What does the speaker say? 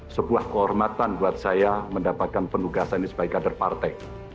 sebuah kehormatan buat saya mendapatkan pendugasannya sebagai kader partai